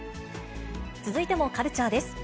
続いてもカルチャーです。